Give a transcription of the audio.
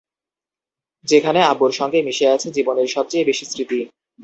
যেখানে আব্বুর সঙ্গে মিশে আছে জীবনের সবচেয়ে বেশি স্মৃতি।